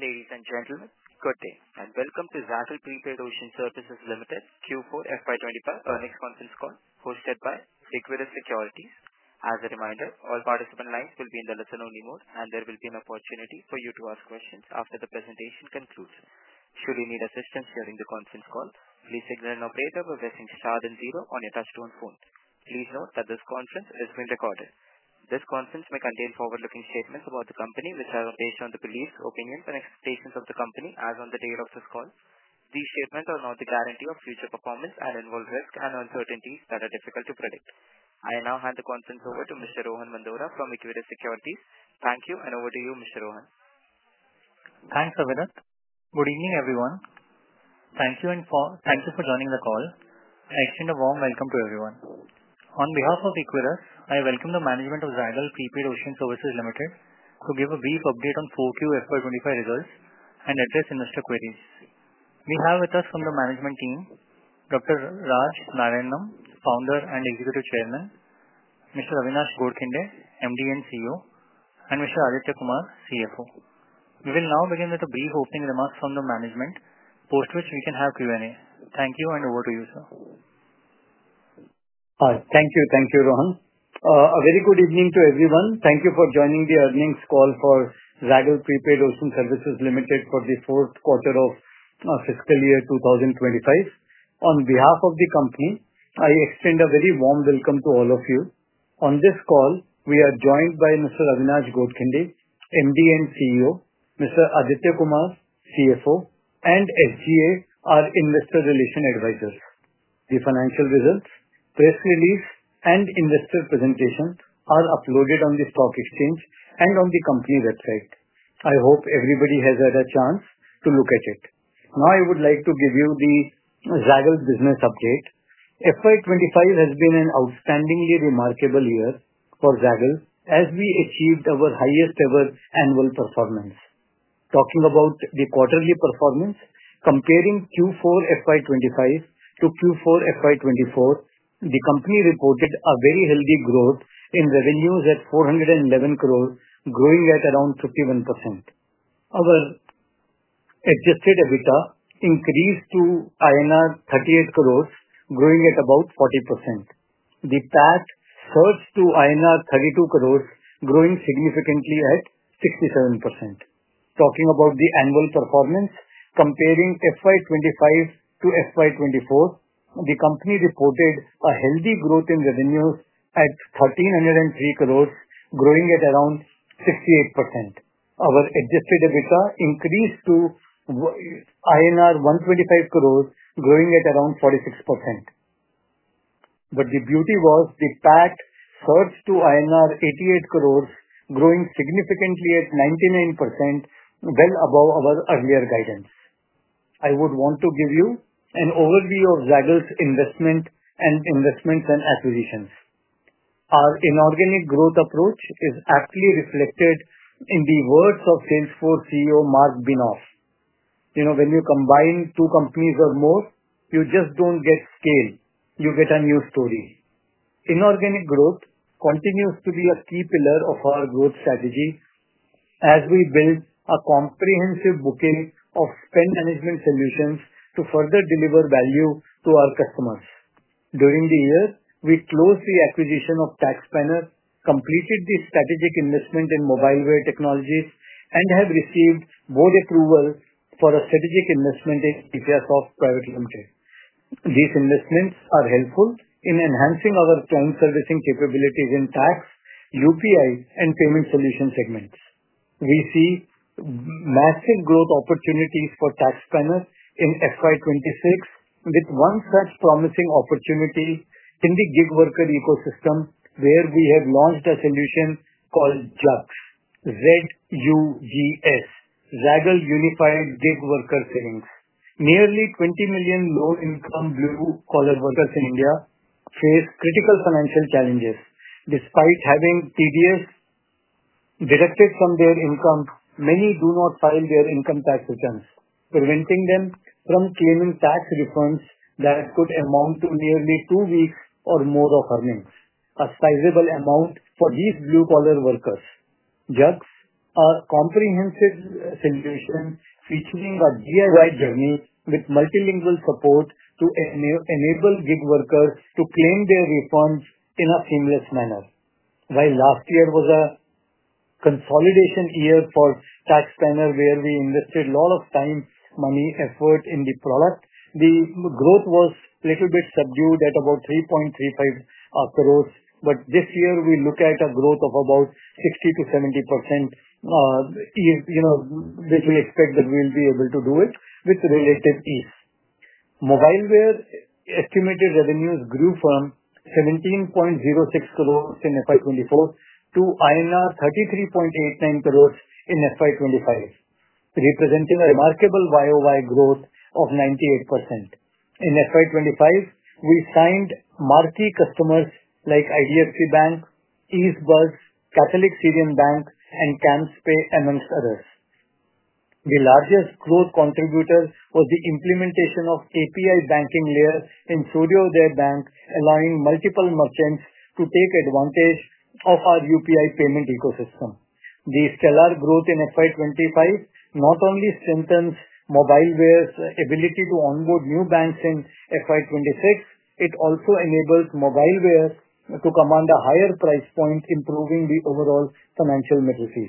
Ladies and gentlemen, good day and welcome to Zaggle Prepaid Ocean Services Limited Q4 FY 2025 earnings conference call hosted by Equirus Securities. As a reminder, all participant lines will be in the listen-only mode, and there will be an opportunity for you to ask questions after the presentation concludes. Should you need assistance during the conference call, please ignore and operate the waveform starting zero on your touch-to-end phone. Please note that this conference is being recorded. This conference may contain forward-looking statements about the company, which are based on the beliefs, opinions, and expectations of the company as of the date of this call. These statements are not a guarantee of future performance and involve risks and uncertainties that are difficult to predict. I now hand the conference over to Mr. Rohan Mandora from Equirus Securities. Thank you, and over to you, Mr. Rohan. Thanks, Avirath. Good evening, everyone. Thank you for joining the call. I extend a warm welcome to everyone. On behalf of Equitas, I welcome the management of Zaggle Prepaid Ocean Services Limited to give a brief update on 4Q FY 2025 results and address investor queries. We have with us from the management team, Dr. Raj Narayanam, Founder and Executive Chairman, Mr. Avinash Godkhindi, MD and CEO, and Mr. Aditya Kumar, CFO. We will now begin with a brief opening remark from the management, post which we can have Q&A. Thank you, and over to you, sir. Thank you. Thank you, Rohan. A very good evening to everyone. Thank you for joining the earnings call for Zaggle Prepaid Ocean Services Limited for the fourth quarter of fiscal year 2025. On behalf of the company, I extend a very warm welcome to all of you. On this call, we are joined by Mr. Avinash Godkhindi, MD and CEO, Mr. Aditya Kumar, CFO, and SGA, our investor relation advisors. The financial results, press release, and investor presentation are uploaded on the stock exchange and on the company website. I hope everybody has had a chance to look at it. Now, I would like to give you the Zaggle business update. FY 2025 has been an outstandingly remarkable year for Zaggle as we achieved our highest-ever annual performance. Talking about the quarterly performance, comparing Q4 FY 2025 to Q4 FY 2024, the company reported a very healthy growth in revenues at 411 crore, growing at around 51%. Our Adjusted EBITDA increased to INR 38 crore, growing at about 40%. The PAT surged to INR 32 crore, growing significantly at 67%. Talking about the annual performance, comparing FY 2025 to FY 2024, the company reported a healthy growth in revenues at 1,303 crore, growing at around 68%. Our adjusted EBITDA increased to INR 125 crore, growing at around 46%. The beauty was the PAT surged to INR 88 crore, growing significantly at 99%, well above our earlier guidance. I would want to give you an overview of Zaggle's investment and investments and acquisitions. Our inorganic growth approach is aptly reflected in the words of Salesforce CEO Marc Benioff. When you combine two companies or more, you just do not get scale. You get a new story. Inorganic growth continues to be a key pillar of our growth strategy as we build a comprehensive bouquet of spend management solutions to further deliver value to our customers. During the year, we closed the acquisition TaxSpanner, completed the strategic investment in Mobilewear Technologies, and have received board approval for a strategic investment in TaxSpanner. These investments are helpful in enhancing our client-servicing capabilities in tax, UPI, and payment solution segments. We see massive growth opportunities TaxSpanner in FY 2026, with one such promising opportunity in the gig worker ecosystem where we have launched a solution called ZUGS, Z-U-G-S, Zaggle Unified Gig Worker Savings. Nearly 20 million low-income blue-collar workers in India face critical financial challenges. Despite having TDS deducted from their income, many do not file their income tax returns, preventing them from claiming tax refunds that could amount to nearly two weeks or more of earnings, a sizable amount for these blue-collar workers. ZUGS are a comprehensive solution featuring a DIY journey with multilingual support to enable gig workers to claim their refunds in a seamless manner. While last year was a consolidation year TaxSpanner where we invested a lot of time, money, and effort in the product, the growth was a little bit subdued at about 33.5 million crore. This year, we look at a growth of about 60%-70%, which we expect that we will be able to do it with relative ease. Mobilewear estimated revenues grew from 17.06 million crore in FY 2024 to INR 33.89 million crore in FY 2025, representing a remarkable YoY growth of 98%. In FY 2025, we signed marquee customers like IDFC Bank, Easebuzz, Catholic Syrian Bank, and CamsPay, amongst others. The largest growth contributor was the implementation of API banking layers in Suryodaya Bank, allowing multiple merchants to take advantage of our UPI payment ecosystem. The stellar growth in FY 2025 not only strengthens Mobilewear's ability to onboard new banks in FY 2026, it also enables Mobilewear to command a higher price point, improving the overall financial literacy.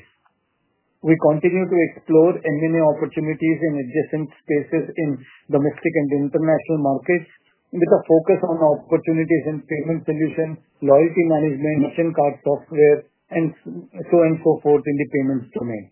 We continue to explore M&A opportunities in adjacent spaces in domestic and international markets with a focus on opportunities in payment solution, loyalty management, mission card software, and so on and so forth in the payments domain.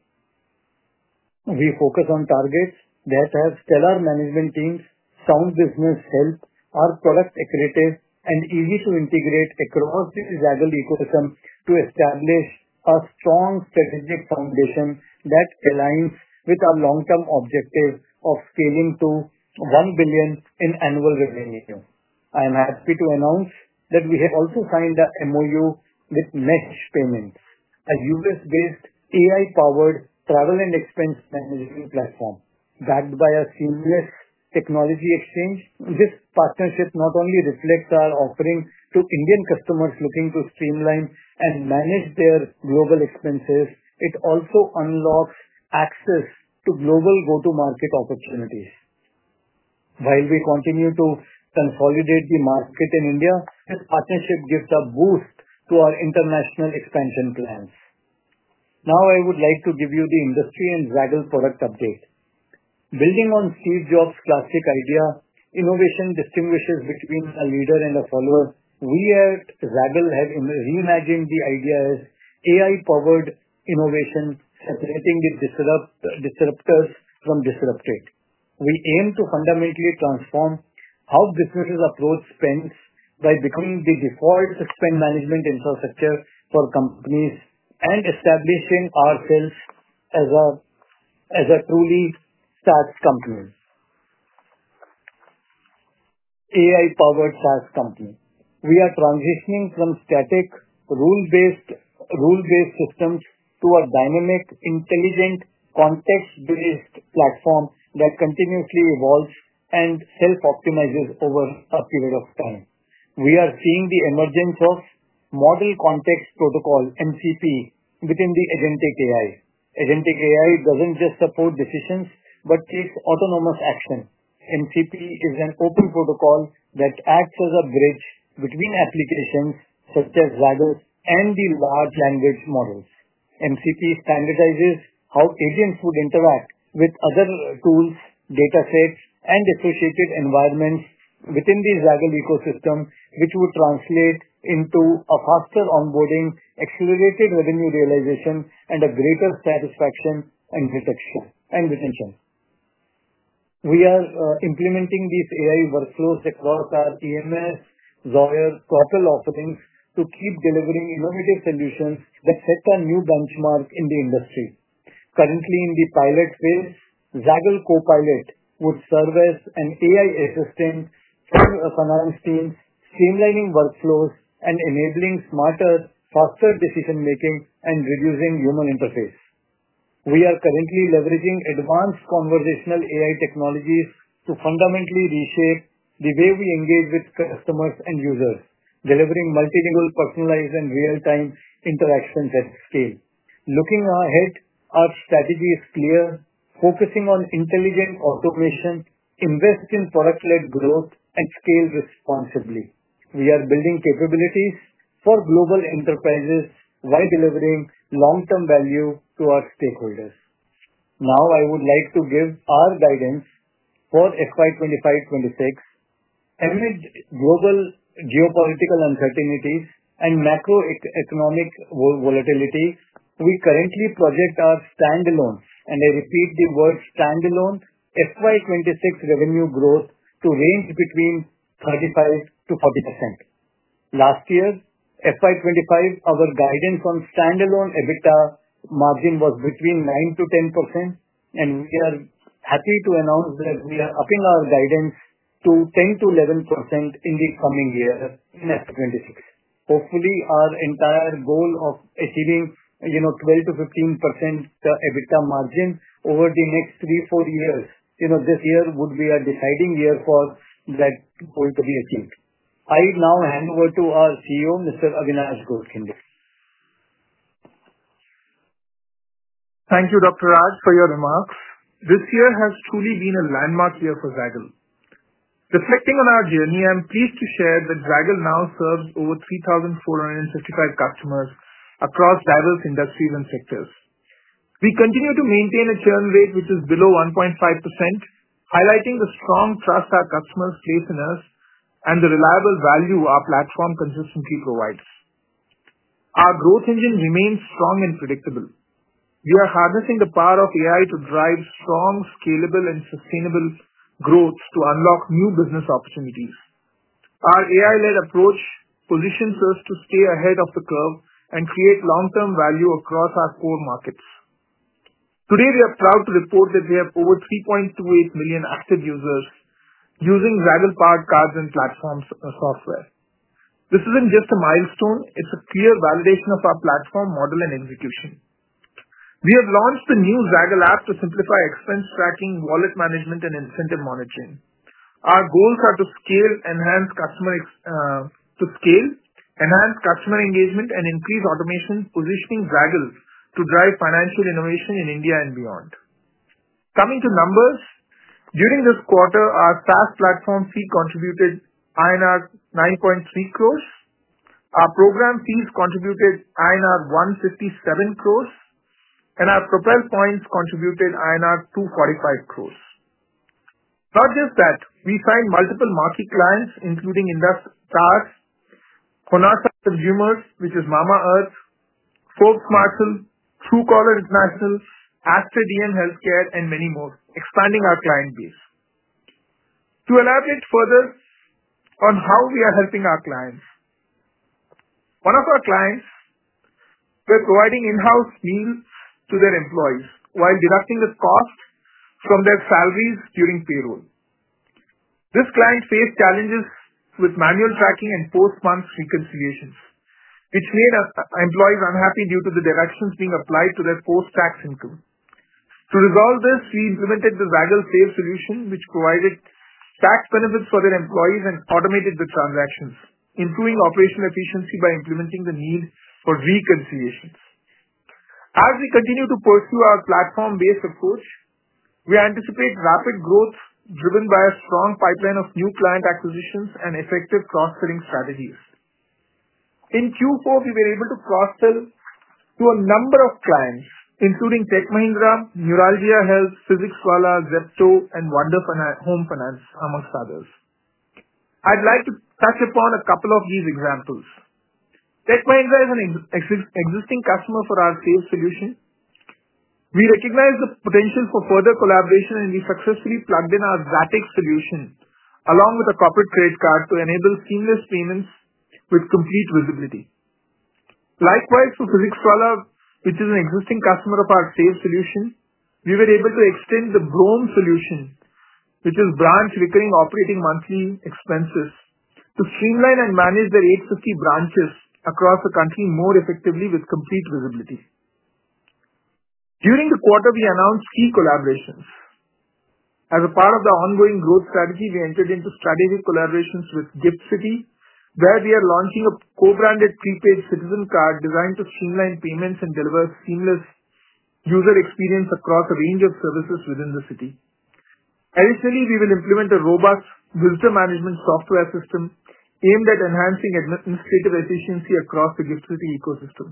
We focus on targets that have stellar management teams, sound business health, are product-accurate, and easy to integrate across the Zaggle ecosystem to establish a strong strategic foundation that aligns with our long-term objective of scaling to 1 billion crore in annual revenue. I am happy to announce that we have also signed an MOU with Mesh Payments, a U.S.-based AI-powered travel and expense management platform backed by a seamless technology exchange. This partnership not only reflects our offering to Indian customers looking to streamline and manage their global expenses, it also unlocks access to global go-to-market opportunities. While we continue to consolidate the market in India, this partnership gives a boost to our international expansion plans. Now, I would like to give you the industry and Zaggle product update. Building on Steve Jobs' classic idea, innovation distinguishes between a leader and a follower. We at Zaggle have reimagined the idea as AI-powered innovation, separating the disruptors from disrupted. We aim to fundamentally transform how businesses approach spends by becoming the default spend management infrastructure for companies and establishing ourselves as a truly SaaS company, AI-powered SaaS company. We are transitioning from static rule-based systems to a dynamic, intelligent, context-based platform that continuously evolves and self-optimizes over a period of time. We are seeing the emergence of model context protocol, MCP, within the agentic AI. Agentic AI does not just support decisions but takes autonomous action. MCP is an open protocol that acts as a bridge between applications such as Zaggle and the large language models. MCP standardizes how agents would interact with other tools, data sets, and associated environments within the Zaggle ecosystem, which would translate into a faster onboarding, accelerated revenue realization, and a greater satisfaction and retention. We are implementing these AI workflows across our EMS, Zoyer, and Propel offerings to keep delivering innovative solutions that set a new benchmark in the industry. Currently, in the pilot phase, Zaggle Co-Pilot would serve as an AI assistant for our finance teams, streamlining workflows and enabling smarter, faster decision-making and reducing human interface. We are currently leveraging advanced conversational AI technologies to fundamentally reshape the way we engage with customers and users, delivering multilingual, personalized, and real-time interactions at scale. Looking ahead, our strategy is clear: focusing on intelligent automation, investing in product-led growth, and scaling responsibly. We are building capabilities for global enterprises while delivering long-term value to our stakeholders. Now, I would like to give our guidance for FY 2025-FY 2026. Amid global geopolitical uncertainties and macroeconomic volatility, we currently project our standalone, and I repeat the word standalone, FY 2026 revenue growth to range between 35%-40%. Last year, FY 2025, our guidance on standalone EBITDA margin was between 9%-10%, and we are happy to announce that we are upping our guidance to 10%-11% in the coming year in FY 2026. Hopefully, our entire goal of achieving 12%-15% EBITDA margin over the next three, four years, this year would be a deciding year for that goal to be achieved. I now hand over to our CEO, Mr. Avinash Godkhindi. Thank you, Dr. Raj, for your remarks. This year has truly been a landmark year for Zaggle. Reflecting on our journey, I'm pleased to share that Zaggle now serves over 3,455 customers across diverse industries and sectors. We continue to maintain a churn rate, which is below 1.5%, highlighting the strong trust our customers place in us and the reliable value our platform consistently provides. Our growth engine remains strong and predictable. We are harnessing the power of AI to drive strong, scalable, and sustainable growth to unlock new business opportunities. Our AI-led approach positions us to stay ahead of the curve and create long-term value across our core markets. Today, we are proud to report that we have over 3.28 million active users using Zaggle Power Cards and Platform Software. This isn't just a milestone; it's a clear validation of our platform, model, and execution. We have launched the new Zaggle App to simplify expense tracking, wallet management, and incentive monitoring. Our goals are to scale, enhance customer engagement, and increase automation, positioning Zaggle to drive financial innovation in India and beyond. Coming to numbers, during this quarter, our SaaS platform fee contributed INR 9.3 crore. Our program fees contributed INR 157 crore, and our Propel Points contributed INR 245 crore. Not just that, we signed multiple marquee clients, including Indus Towers, Honasa Consumer, which is Mamaearth, Forbes Marshal, Truecaller International, Aster DM Healthcare, and many more, expanding our client base. To elaborate further on how we are helping our clients, one of our clients is providing in-house meals to their employees while deducting the cost from their salaries during payroll. This client faced challenges with manual tracking and post-month reconciliations, which made employees unhappy due to the deductions being applied to their post-tax income. To resolve this, we implemented the Zaggle Save solution, which provided tax benefits for their employees and automated the transactions, improving operational efficiency by eliminating the need for reconciliations. As we continue to pursue our platform-based approach, we anticipate rapid growth driven by a strong pipeline of new client acquisitions and effective cross-selling strategies. In Q4, we were able to cross-sell to a number of clients, including Tech Mahindra, NeurogliaHealth, Physics Wallah, Zepto, and Wonder Home Finance, amongst others. I'd like to touch upon a couple of these examples. Tech Mahindra is an existing customer for our Save solution. We recognize the potential for further collaboration, and we successfully plugged in our Zatix solution along with a corporate credit card to enable seamless payments with complete visibility. Likewise, for Physics Wallah, which is an existing customer of our Save solution, we were able to extend the BROME solution, which is a branch recurring operating monthly expenses, to streamline and manage their 850 branches across the country more effectively with complete visibility. During the quarter, we announced key collaborations. As a part of the ongoing growth strategy, we entered into strategic collaborations with GIFT City, where we are launching a co-branded prepaid citizen card designed to streamline payments and deliver a seamless user experience across a range of services within the city. Additionally, we will implement a robust visitor management software system aimed at enhancing administrative efficiency across the GIFT City ecosystem.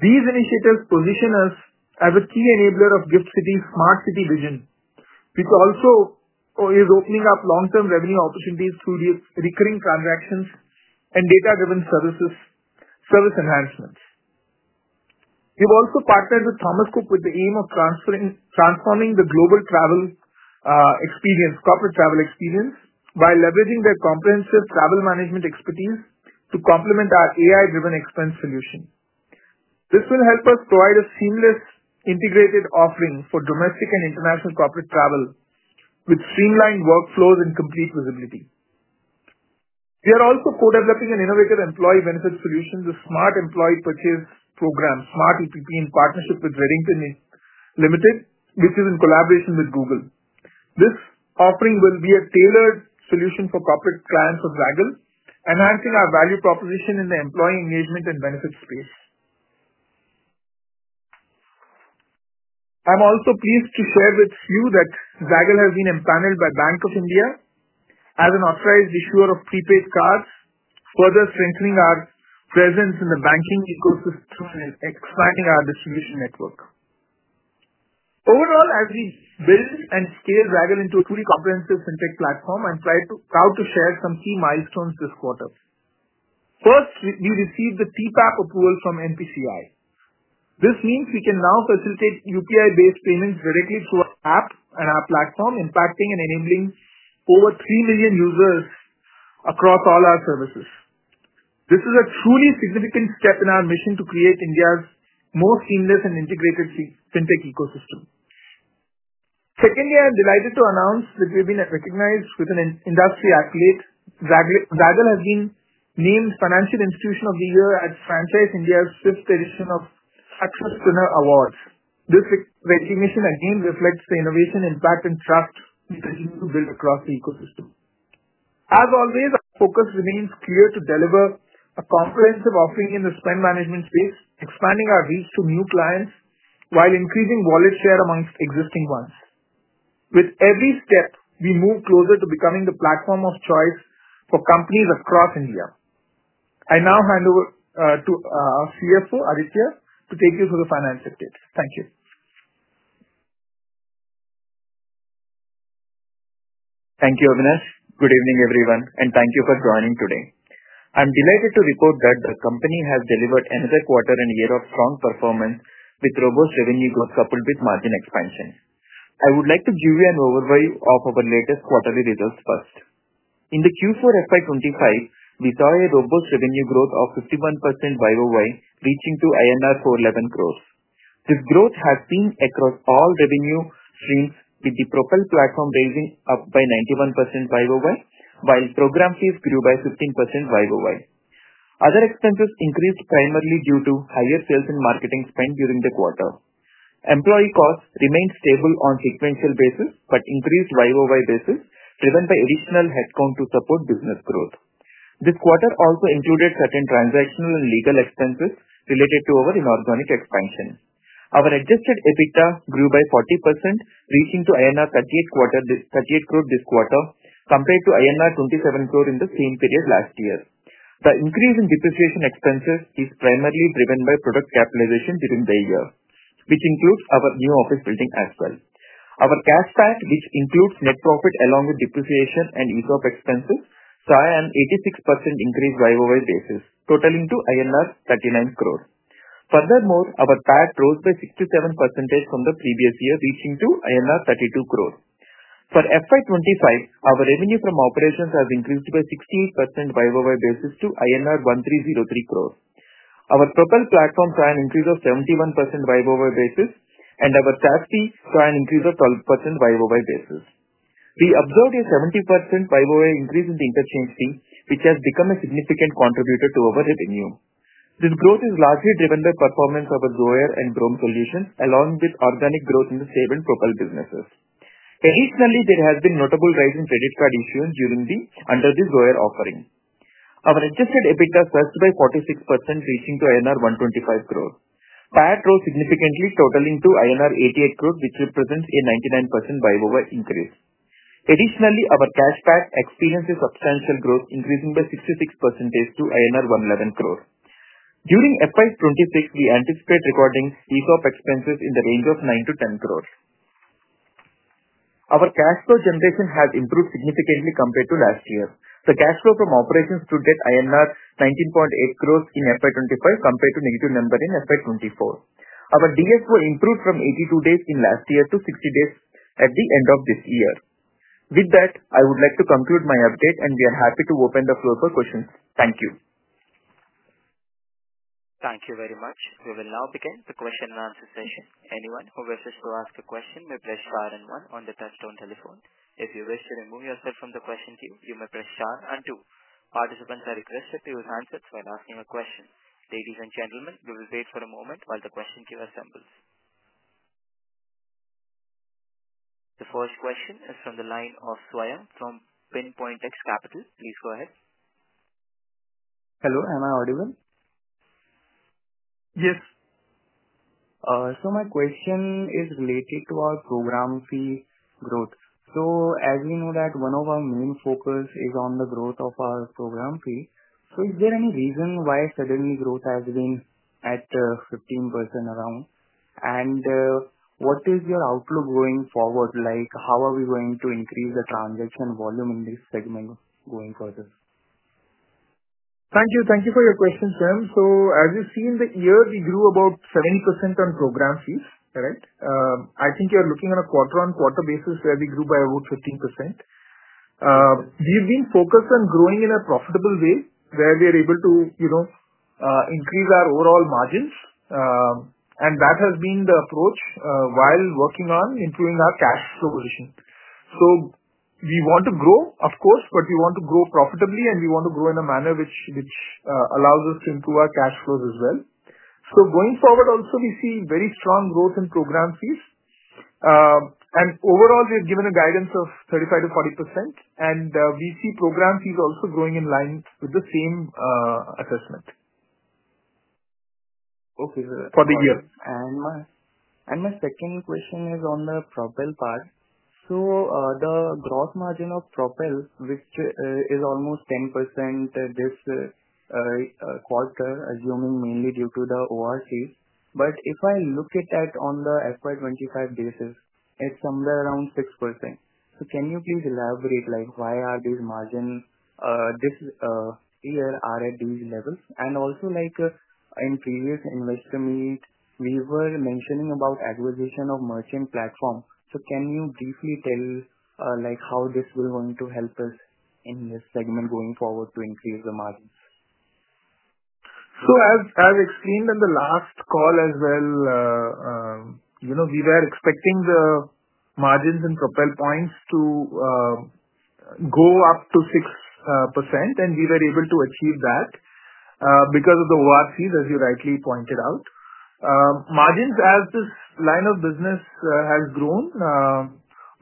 These initiatives position us as a key enabler of GIFT City's Smart City Vision, which also is opening up long-term revenue opportunities through recurring transactions and data-driven service enhancements. We've also partnered with Thomas Cook with the aim of transforming the global travel experience, corporate travel experience, by leveraging their comprehensive travel management expertise to complement our AI-driven expense solution. This will help us provide a seamless integrated offering for domestic and international corporate travel with streamlined workflows and complete visibility. We are also co-developing an innovative employee benefit solution, the Smart Employee Purchase Program, Smart EPP, in partnership with Reddington Limited, which is in collaboration with Google. This offering will be a tailored solution for corporate clients of Zaggle, enhancing our value proposition in the employee engagement and benefit space. I'm also pleased to share with you that Zaggle has been empaneled by Bank of India as an authorized issuer of prepaid cards, further strengthening our presence in the banking ecosystem and expanding our distribution network. Overall, as we build and scale Zaggle into a truly comprehensive fintech platform, I'm proud to share some key milestones this quarter. First, we received the TPAP approval from NPCI. This means we can now facilitate UPI-based payments directly through our app and our platform, impacting and enabling over 3 million users across all our services. This is a truly significant step in our mission to create India's most seamless and integrated fintech ecosystem. Secondly, I'm delighted to announce that we have been recognized with an industry accolade. Zaggle has been named Financial Institution of the Year at Franchise India's fifth edition of the Success Spinner Awards. This recognition again reflects the innovation, impact, and trust we continue to build across the ecosystem. As always, our focus remains clear to deliver a comprehensive offering in the spend management space, expanding our reach to new clients while increasing wallet share amongst existing ones. With every step, we move closer to becoming the platform of choice for companies across India. I now hand over to our CFO, Aditya, to take you through the finance update. Thank you. Thank you, Avinash. Good evening, everyone, and thank you for joining today. I'm delighted to report that the company has delivered another quarter and year of strong performance with robust revenue growth coupled with margin expansion. I would like to give you an overview of our latest quarterly results first. In the Q4 FY2025, we saw a robust revenue growth of 51% YoY, reaching to INR 411 crore. This growth has been across all revenue streams, with the Propel platform raising up by 91% YoY, while program fees grew by 15% YoY. Other expenses increased primarily due to higher sales and marketing spend during the quarter. Employee costs remained stable on a sequential basis but increased YoY basis, driven by additional headcount to support business growth. This quarter also included certain transactional and legal expenses related to our inorganic expansion. Our adjusted EBITDA grew by 40%, reaching to 38 crore this quarter compared to INR 27 crore in the same period last year. The increase in depreciation expenses is primarily driven by product capitalization during the year, which includes our new office building as well. Our cash pack, which includes net profit along with depreciation and ease of expenses, saw an 86% increase YoY basis, totaling to INR 39 crore. Furthermore, our PAC rose by 67% from the previous year, reaching to INR 32 crore. For FY 2025, our revenue from operations has increased by 68% YoY basis to INR 1,303 crore. Our Propel platform saw an increase of 71% YoY basis, and our tax fee saw an increase of 12% YoY basis. We observed a 70% YoY increase in the interchange fee, which has become a significant contributor to our revenue. This growth is largely driven by the performance of our Zoyer and BROME solutions, along with organic growth in the Save and Propel businesses. Additionally, there has been a notable rise in credit card issuance under the Zoyer offering. Our Adjusted EBITDA surged by 46%, reaching INR 125 crore. PAT rose significantly, totaling INR 88 crore, which represents a 99% YoY increase. Additionally, our cash pack experienced substantial growth, increasing by 66% to INR 111 crore. During FY 2026, we anticipate recording ease of expenses in the range of 9 crore-10 crore. Our cash flow generation has improved significantly compared to last year. The cash flow from operations to debt was INR 19.8 crore in FY 2025 compared to a negative number in FY 2024. Our DFO improved from 82 days last year to 60 days at the end of this year. With that, I would like to conclude my update, and we are happy to open the floor for questions. Thank you. Thank you very much. We will now begin the question-and-answer session. Anyone who wishes to ask a question may press star and one on the touchstone telephone. If you wish to remove yourself from the question queue, you may press star and two. Participants are requested to use handsets while asking a question. Ladies and gentlemen, we will wait for a moment while the question queue assembles. The first question is from the line of Swayam from PinPoint X Capital. Please go ahead. Hello, am I audible? Yes. Siir My question is related to our program fee growth. As we know, one of our main focuses is on the growth of our program fee. Is there any reason why suddenly growth has been at 15%? What is your outlook going forward? How are we going to increase the transaction volume in this segment going forward? Thank you. Thank you for your question, Swayam. As you see in the year, we grew about 70% on program fees, correct? I think you're looking at a quarter-on-quarter basis where we grew by about 15%. We've been focused on growing in a profitable way where we are able to increase our overall margins. That has been the approach while working on improving our cash flow position. We want to grow, of course, but we want to grow profitably, and we want to grow in a manner which allows us to improve our cash flows as well. Going forward, also, we see very strong growth in program fees. Overall, we have given a guidance of 35%-40%. We see program fees also growing in line with the same assessment for the year. My second question is on the Propel part. The gross margin of Propel, which is almost 10% this quarter, assuming mainly due to the ORCs, but if I look at that on the FY 2025 basis, it is somewhere around 6%. Can you please elaborate why these margins this year are at these levels? Also, in previous investor meets, we were mentioning about acquisition of merchant platforms. Can you briefly tell how this is going to help us in this segment going forward to increase the margins? As explained in the last call as well, we were expecting the margins in Propel Points to go up to 6%, and we were able to achieve that because of the ORCs, as you rightly pointed out. Margins, as this line of business has grown,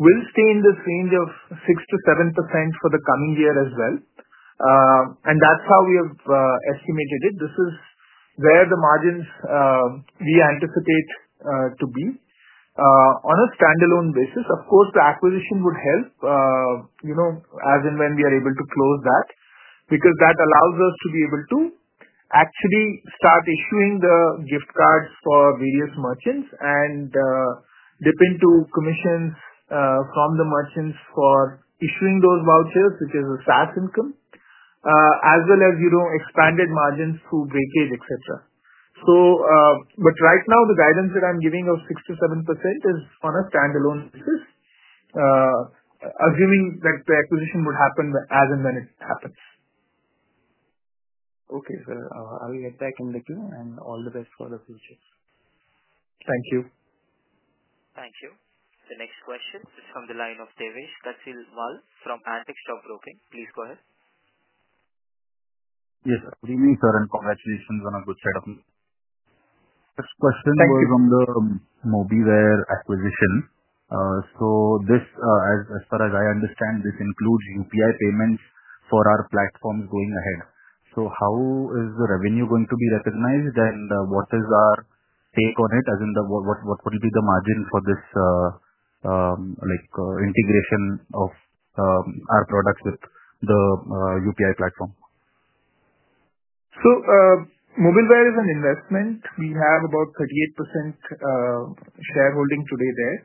will stay in this range of 6%-7% for the coming year as well. That is how we have estimated it. This is where the margins we anticipate to be. On a standalone basis, of course, the acquisition would help, as and when we are able to close that, because that allows us to be able to actually start issuing the gift cards for various merchants and dip into commissions from the merchants for issuing those vouchers, which is a SaaS income, as well as expanded margins through breakage, etc. Right now, the guidance that I'm giving of 6%-7% is on a standalone basis, assuming that the acquisition would happen as and when it happens. Okay, sir. I'll get back in the queue, and all the best for the future. Thank you. Thank you. The next question is from the line of Devesh Kasliwal from Antique Stock Broking. Please go ahead. Yes, good evening, sir, and congratulations on a good setup. Next question was from the Mobilewear acquisition. This, as far as I understand, includes UPI payments for our platforms going ahead. How is the revenue going to be recognized? What is our take on it, as in what will be the margin for this integration of our products with the UPI platform? Mobilewear is an investment. We have about 38% shareholding today there.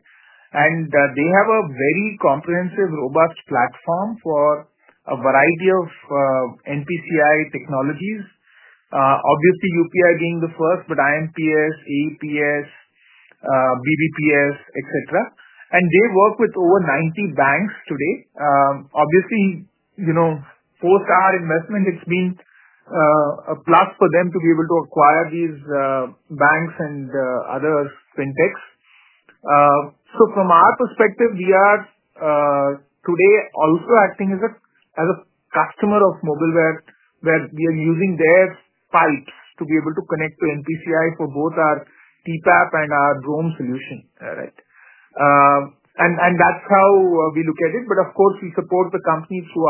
They have a very comprehensive, robust platform for a variety of NPCI technologies, obviously UPI being the first, but IMPS, AEPS, BBPS, etc. They work with over 90 banks today. Obviously, post our investment, it has been a plus for them to be able to acquire these banks and other fintechs. From our perspective, we are today also acting as a customer of Mobilewear, where we are using their pipes to be able to connect to NPCI for both our TPAP and our BROME solution. That is how we look at it. Of course, we support the company through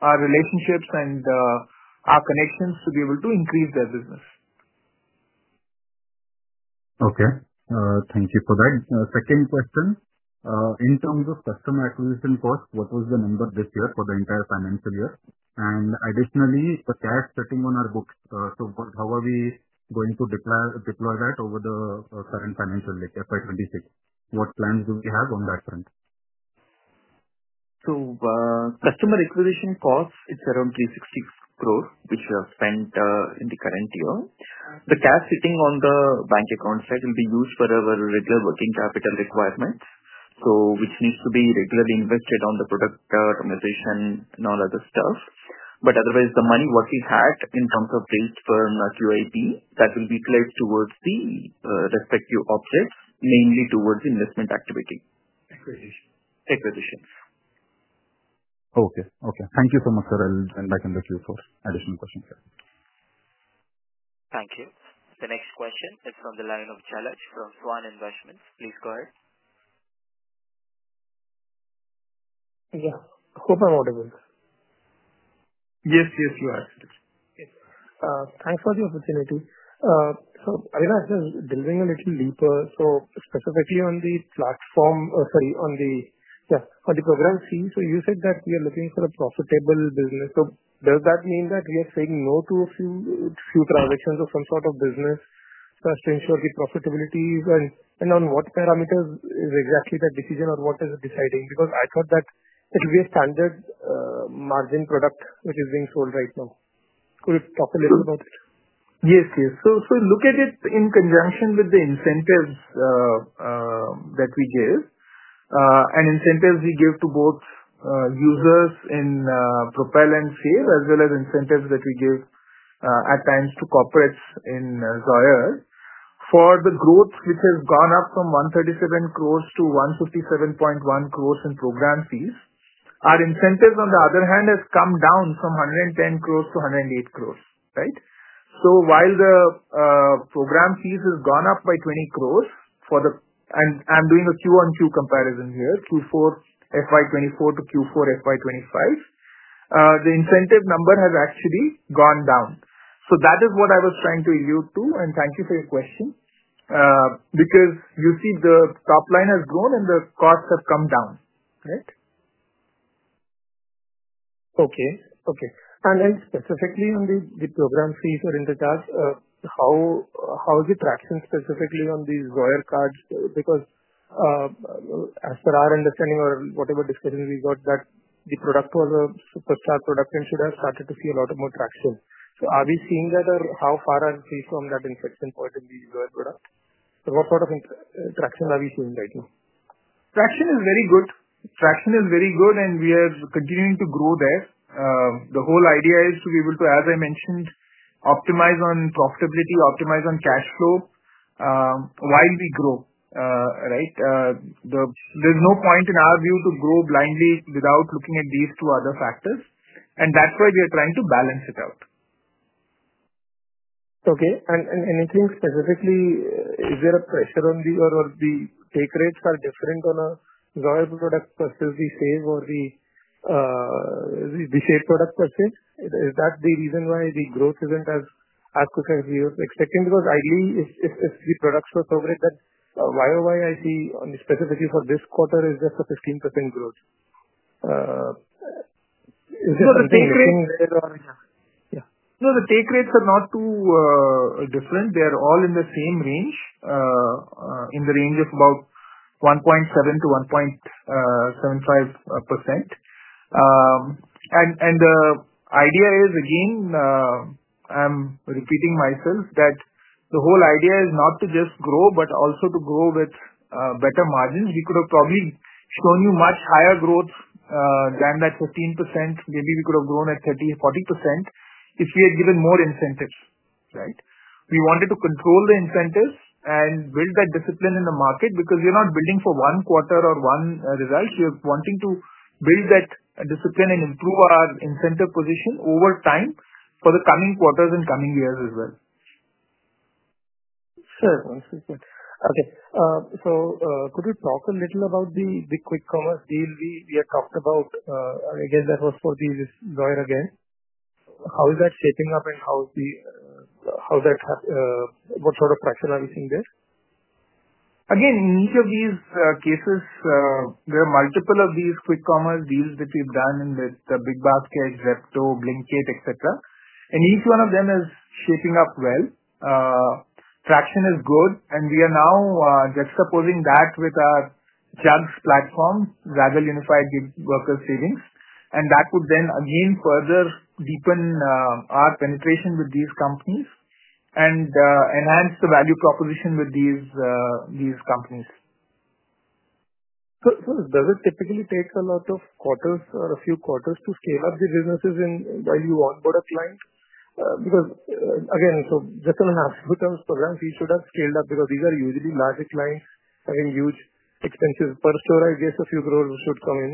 our relationships and our connections to be able to increase their business. Okay. Thank you for that. Second question. In terms of customer acquisition cost, what was the number this year for the entire financial year? Additionally, the cash sitting on our books. How are we going to deploy that over the current financial year, FY 2026? What plans do we have on that front? Customer acquisition cost, it's around 360 crore, which we have spent in the current year. The cash sitting on the bank account side will be used for our regular working capital requirements, which needs to be regularly invested on the product optimization and all other stuff. Otherwise, the money what we had in terms of rate for QIP, that will be placed towards the respective objects, mainly towards investment activity. Acquisition. Acquisitions. Okay. Okay. Thank you so much, sir. I'll jump back in the queue for additional questions. Thank you. The next question is from the line of Jalaj from Svan Investments. Please go ahead. Yes. Hope I'm audible. Yes, yes, you are. Okay. Thanks for the opportunity. Avinash, delving a little deeper, specifically on the platform, sorry, on the program fee. You said that we are looking for a profitable business. Does that mean that we are saying no to a few transactions or some sort of business just to ensure the profitability? On what parameters is exactly that decision, or what is it deciding? I thought that it will be a standard margin product which is being sold right now. Could you talk a little about it? Yes, yes. Look at it in conjunction with the incentives that we give. Incentives we give to both users in Propel and Save, as well as incentives that we give at times to corporates in Zoyer. For the growth, which has gone up from 1.37 crore-1.571 crore in program fees, our incentives, on the other hand, have come down from 1.1 crore-1.08 crore, right? While the program fees have gone up by 20 crore for the—I am doing a Q-on-Q comparison here, Q4 FY 2024 to Q4 FY 2025—the incentive number has actually gone down. That is what I was trying to allude to. Thank you for your question. You see the top line has grown, and the costs have come down, right? Okay. Okay. And then specifically on the program fees or intercharge, how is the traction specifically on these Zoyer cards? Because as per our understanding or whatever discussion we got, that the product was a superstar product and should have started to see a lot more traction. Are we seeing that, or how far are we from that inflection point in the Zoyer product? What sort of traction are we seeing right now? Traction is very good. We are continuing to grow there. The whole idea is to be able to, as I mentioned, optimize on profitability, optimize on cash flow while we grow, right? There is no point in our view to grow blindly without looking at these two other factors. That is why we are trying to balance it out. Okay. Anything specifically, is there a pressure on the take rates that are different on a Zoyer product versus the Save or the Save product per se? Is that the reason why the growth isn't as quick as we were expecting? Because ideally, if the products were so great that Y-o-Y I see specifically for this quarter is just a 15% growth. Is this the same thing there, or? No, the take rates are not too different. They are all in the same range, in the range of about 1.7%-1.75%. The idea is, again, I'm repeating myself, that the whole idea is not to just grow, but also to grow with better margins. We could have probably shown you much higher growth than that 15%. Maybe we could have grown at 30%-40% if we had given more incentives, right? We wanted to control the incentives and build that discipline in the market because we are not building for one quarter or one result. We are wanting to build that discipline and improve our incentive position over time for the coming quarters and coming years as well. Sure. Okay. Could you talk a little about the quick commerce deal we had talked about? Again, that was for the Zoyer again. How is that shaping up, and what sort of pressure are we seeing there? Again, in each of these cases, there are multiple of these quick commerce deals that we've done with BigBasket, Zepto, Blinkit, etc. Each one of them is shaping up well. Traction is good. We are now juxtaposing that with ourZUGS platform, Zaggle Unified Gig Worker Savings. That would then again further deepen our penetration with these companies and enhance the value proposition with these companies. Does it typically take a lot of quarters or a few quarters to scale up the businesses while you onboard a client? Because again, just in absolute terms, program fees should have scaled up because these are usually larger clients having huge expenses. Per store, I guess, a few crore should come in.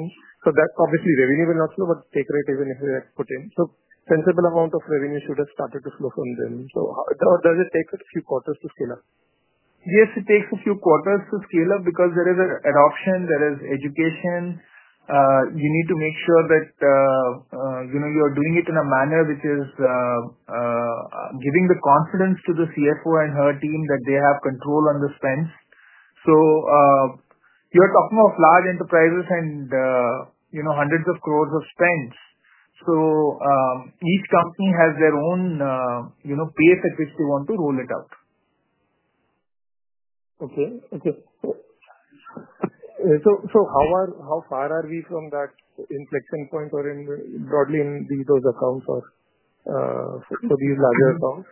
That obviously revenue will not flow, but take rate even if they are put in. A sensible amount of revenue should have started to flow from them. Does it take a few quarters to scale up? Yes, it takes a few quarters to scale up because there is an adoption, there is education. You need to make sure that you are doing it in a manner which is giving the confidence to the CFO and her team that they have control on the spends. You are talking of large enterprises and hundreds of crores of spends. Each company has their own pace at which they want to roll it out. Okay. Okay. So how far are we from that inflection point or broadly in those accounts or for these larger accounts?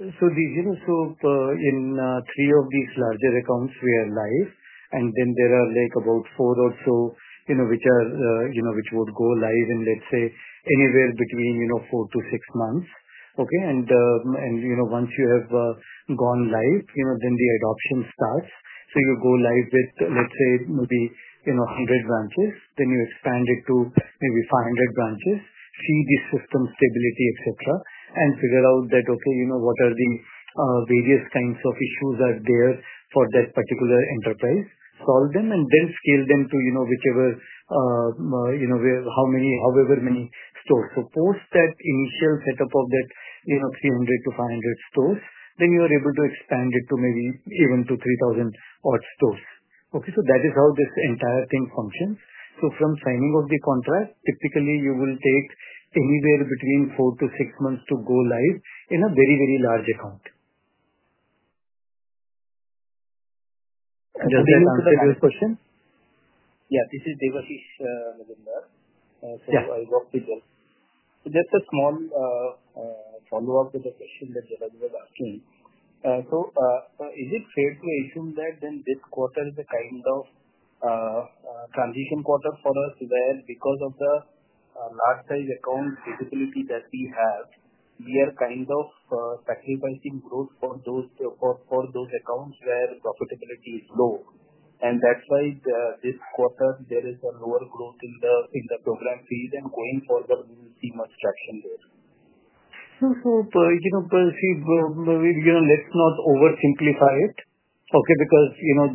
In three of these larger accounts, we are live. There are about four or so which would go live in, let's say, anywhere between four to six months. Okay? Once you have gone live, then the adoption starts. You go live with, let's say, maybe 100 branches. You expand it to maybe 500 branches, see the system stability, etc., and figure out that, okay, what are the various kinds of issues that are there for that particular enterprise, solve them, and then scale them to however many stores. Post that initial setup of that 300-500 stores, you are able to expand it to maybe even to 3,000-odd stores. Okay? That is how this entire thing functions. From signing of the contract, typically, you will take anywhere between four to six months to go live in a very, very large account. Does that answer your question? Yeah. This is Devashish sir. So I work with Jalaj. Just a small follow-up to the question that Jalaj was asking. Is it fair to assume that then this quarter is a kind of transition quarter for us where because of the large-sized account visibility that we have, we are kind of sacrificing growth for those accounts where profitability is low? That's why this quarter, there is a lower growth in the program fees, and going forward, we will see much traction there. Let's not oversimplify it, okay, because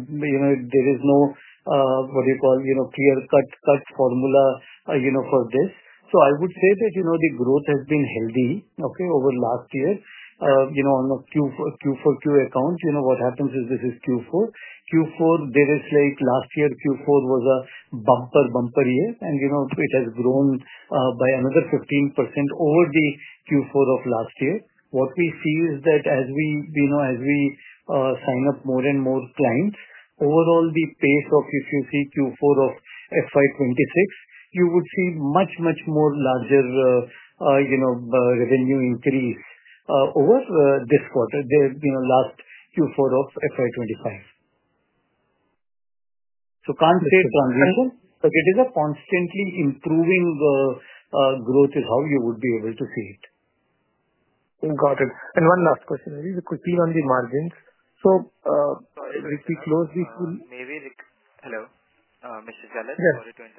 there is no, what do you call, clear-cut formula for this. I would say that the growth has been healthy, okay, over last year. On a Q4Q account, what happens is this is Q4. Q4, last year, was a bumper-bumper year, and it has grown by another 15% over the Q4 of last year. What we see is that as we sign up more and more clients, overall, the pace of, if you see Q4 of FY 2026, you would see much, much more larger revenue increase over this quarter than last Q4 of FY 2025. Can't say transition, but it is a constantly improving growth is how you would be able to see it. Got it. And one last question, maybe quickly on the margins. If we close this call. May we—hello? Mr. Jalaj, sorry to interrupt. May we request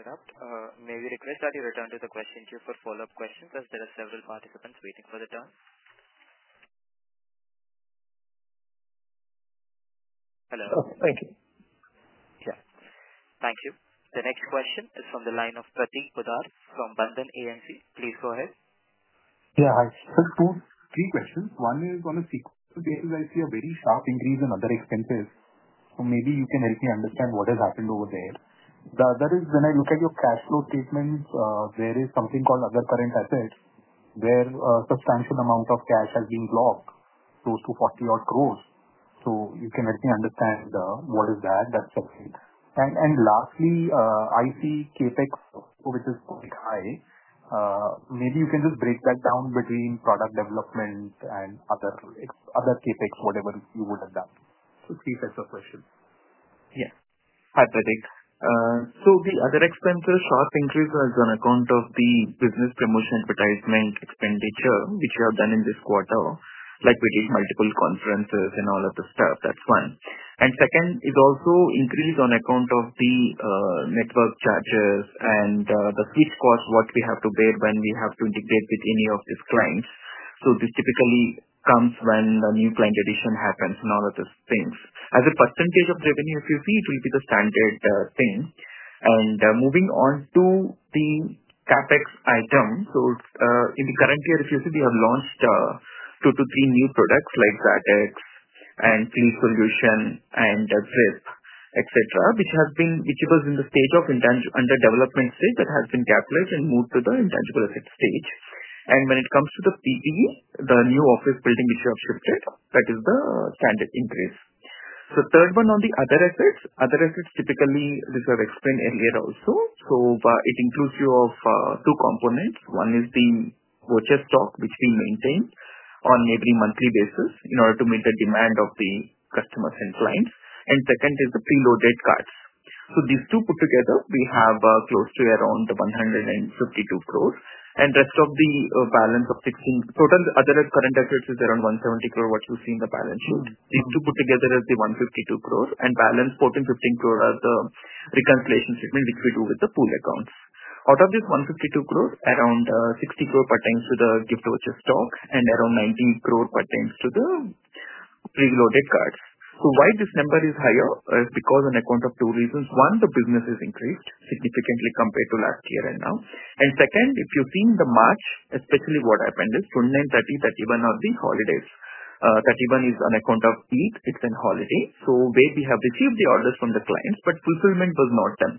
that you return to the question queue for follow-up questions as there are several participants waiting for their turn? Hello? Oh, thank you. Yeah. Thank you. The next question is from the line of Prateek Poddar from Bandhan AMC. Please go ahead. Yeah. I just have two questions. One is on a sequence of cases, I see a very sharp increase in other expenses. Maybe you can help me understand what has happened over there. The other is when I look at your cash flow statements, there is something called other current assets where a substantial amount of cash has been blocked, close to 40 crore-odd. You can help me understand what is that. That is separate. Lastly, I see CapEx, which is quite high. Maybe you can just break that down between product development and other CapEx, whatever you would have done. Three sets of questions. Yeah. Hi, Prateek. The other expenses, sharp increase was on account of the business promotion advertisement expenditure, which we have done in this quarter, like we did multiple conferences and all other stuff. That's one. Second is also increase on account of the network charges and the switch costs, what we have to bear when we have to integrate with any of these clients. This typically comes when a new client addition happens and all of these things. As a percentage of revenue, if you see, it will be the standard thing. Moving on to the CapEx item, in the current year, if you see, we have launched two to three new products like Zatic and Fleet Solution and VIP, etc., which was in the stage of underdevelopment stage that has been capitalized and moved to the intangible asset stage. When it comes to the PPE, the new office building which we have shifted, that is the standard increase. The third one on the other assets, other assets typically, as I've explained earlier also, it includes two components. One is the purchase stock, which we maintain on every monthly basis in order to meet the demand of the customers and clients. The second is the pre-loaded cards. These two put together, we have close to around 152 crore. The rest of the balance of the total other current assets is around 170 crore, what you see in the balance sheet. These two put together is the 152 crore, and the balance 14 crore-15 crore are the reconciliation statement, which we do with the pool accounts. Out of this 152 crore, around 60 crore pertain to the gift purchase stock and around 90 crore pertain to the pre-loaded cards. Why this number is higher is because on account of two reasons. One, the business has increased significantly compared to last year and now. Second, if you've seen March, especially what happened is 29, 30, 31 are the holidays. Thirty-one is on account of Eid. It's a holiday. Where we have received the orders from the clients, but fulfillment was not done.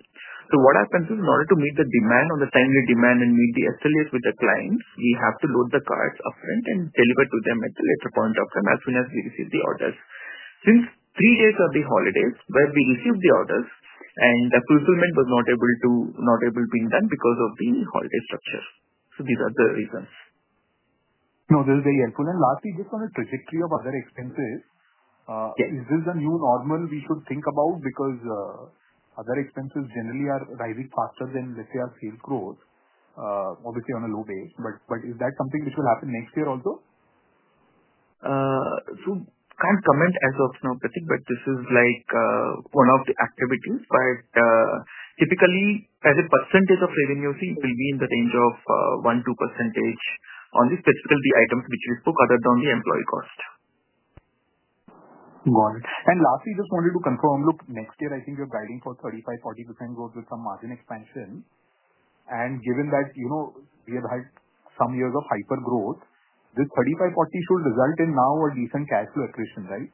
What happens is in order to meet the demand, the timely demand, and meet the SLAs with the clients, we have to load the cards upfront and deliver to them at a later point of time as soon as we receive the orders. Since three days are the holidays where we received the orders, and the fulfillment was not able to be done because of the holiday structure. These are the reasons. No, this is very helpful. Lastly, just on the trajectory of other expenses, is this the new normal we should think about? Other expenses generally are rising faster than, let's say, our sales growth, obviously on a low base. Is that something which will happen next year also? Can't comment as of now, Prateek, but this is one of the activities. Typically, as a percentage of revenue, see, it will be in the range of 1%-2% on specifically the items which we spoke other than the employee cost. Got it. Lastly, just wanted to confirm, look, next year, I think you're guiding for 35%-40% growth with some margin expansion. Given that we have had some years of hyper growth, this 35%-40% should result in now a decent cash flow accretion, right?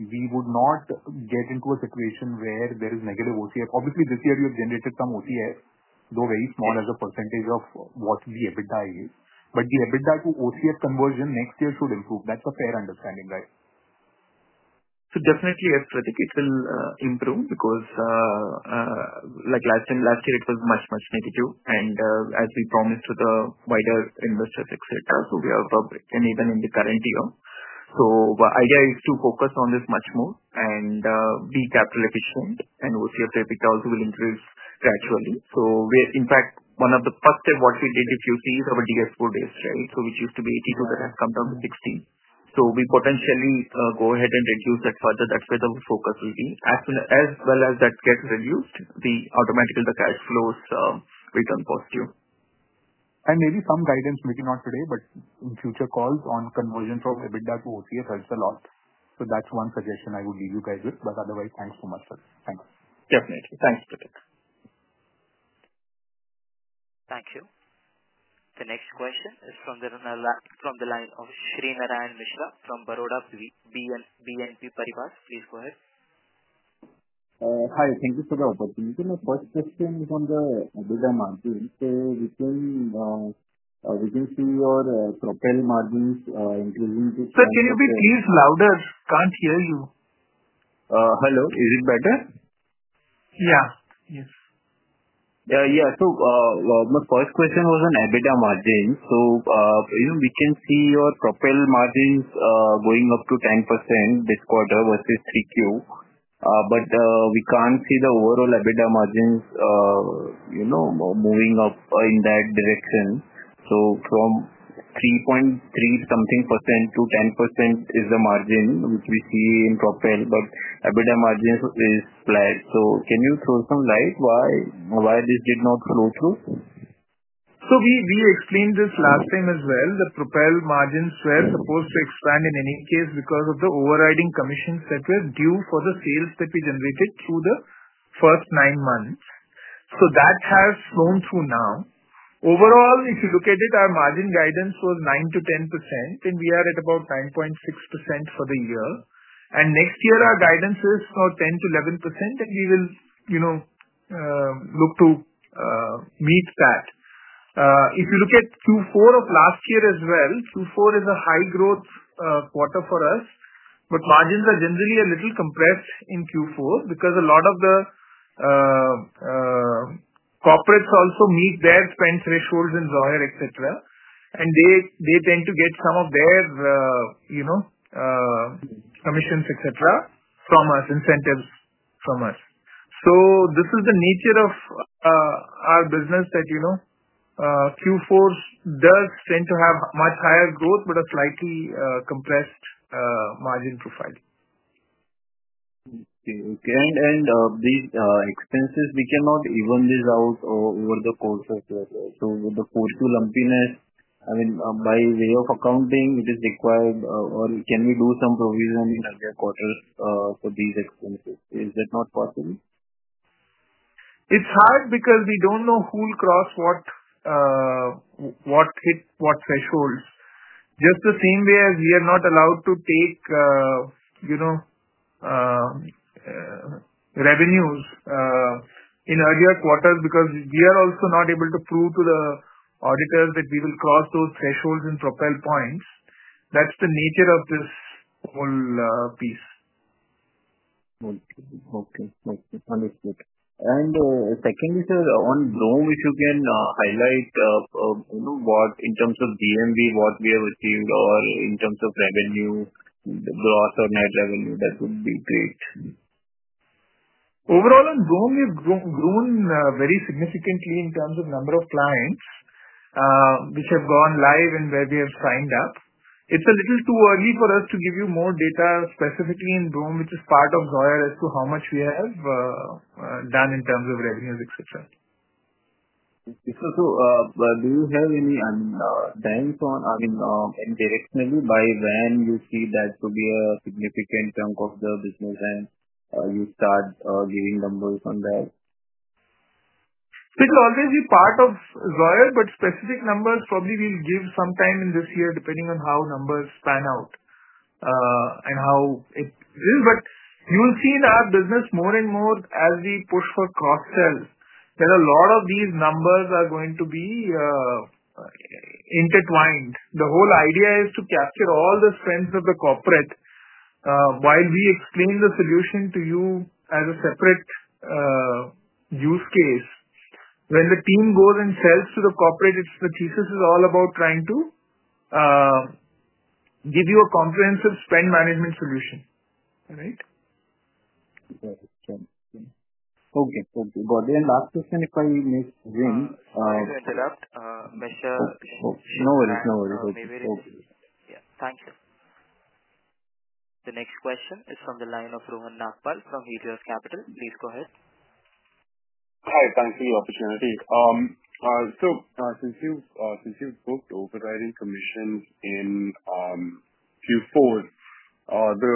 We would not get into a situation where there is negative OCF. Obviously, this year, you have generated some OCF, though very small as a percentage of what the EBITDA is. The EBITDA to OCF conversion next year should improve. That's a fair understanding, right? Definitely, yes, Prateek. It will improve because last year, it was much, much negative. As we promised to the wider investors, etc., we are public and even in the current year. The idea is to focus on this much more and be capital efficient. OCF EBITDA also will increase gradually. In fact, one of the first steps we did, if you see, is our DS4 base, right? Which used to be 82%, that has come down to 16. We potentially go ahead and reduce that further. That's where the focus will be. As that gets reduced, automatically, the cash flows will turn positive. Maybe some guidance, maybe not today, but in future calls on conversion from EBITDA to OCF helps a lot. That is one suggestion I would leave you guys with. Otherwise, thanks so much, sir. Thanks. Definitely. Thanks, Prateek. Thank you. The next question is from the line of Shrinarayan Mishra from Baroda BNP Paribas. Please go ahead. Hi. Thank you for the opportunity. My first question is on the EBITDA margin. We can see your Propel margins increasing to. Sir, can you please be louder? Can't hear you. Hello. Is it better? Yeah. Yes. Yeah. My first question was on EBITDA margins. We can see your Propel margins going up to 10% this quarter versus 3Q. We cannot see the overall EBITDA margins moving up in that direction. From 3.3%-something percent to 10% is the margin which we see in Propel, but EBITDA margins are flat. Can you throw some light on why this did not flow through? We explained this last time as well, the Propel margins were supposed to expand in any case because of the overriding commissions that were due for the sales that we generated through the first nine months. That has flown through now. Overall, if you look at it, our margin guidance was 9%-10%, and we are at about 9.6% for the year. Next year, our guidance is 10%-11%, and we will look to meet that. If you look at Q4 of last year as well, Q4 is a high-growth quarter for us, but margins are generally a little compressed in Q4 because a lot of the corporates also meet their spend thresholds in Zoyer, etc. They tend to get some of their commissions, etc., from us, incentives from us. This is the nature of our business that Q4 does tend to have much higher growth, but a slightly compressed margin profile. Okay. Okay. And these expenses, we cannot even these out over the course of the year. The four-to-lumpiness, I mean, by way of accounting, it is required, or can we do some provision in earlier quarters for these expenses? Is that not possible? It's hard because we don't know who will cross what thresholds. Just the same way as we are not allowed to take revenues in earlier quarters because we are also not able to prove to the auditors that we will cross those thresholds in Propel Points. That's the nature of this whole piece. Okay. Okay. Okay. Understood. Secondly, sir, on BROME, if you can highlight in terms of DMV, what we have achieved, or in terms of revenue, gross or net revenue, that would be great. Overall, on BROME, we have grown very significantly in terms of number of clients which have gone live and where we have signed up. It's a little too early for us to give you more data specifically in BROME, which is part of Zoyer, as to how much we have done in terms of revenues, etc. Okay. So do you have any, I mean, timelines on, I mean, directionally by when you see that to be a significant chunk of the business and you start giving numbers on that? It will always be part of Zoyer, but specific numbers probably we'll give sometime in this year, depending on how numbers pan out and how it is. You will see in our business more and more as we push for cross-sells, that a lot of these numbers are going to be intertwined. The whole idea is to capture all the strengths of the corporate while we explain the solution to you as a separate use case. When the team goes and sells to the corporate, the thesis is all about trying to give you a comprehensive spend management solution, right? Got it. Okay. Okay. Got it. And last question, if I may. Please interrupt, Mishra. No worries. Okay. Yeah. Thank you. The next question is from the line of Rohan Nagpal from Helios Capital. Please go ahead. Hi. Thanks for the opportunity. Since you spoke to overriding commissions in Q4, the